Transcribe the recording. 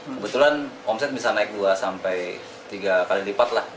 kebetulan omset bisa naik dua sampai tiga kali lipat lah